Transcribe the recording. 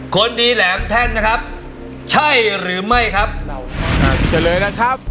คนดีแหลมแท่นนะครับใช่หรือไม่นะครับ